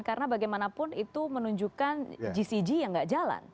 karena bagaimanapun itu menunjukkan gcg yang nggak jalan